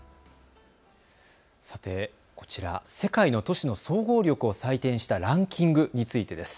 さてこちら、世界の都市の総合力を採点したランキングについてです。